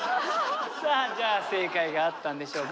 さあじゃあ正解があったんでしょうか。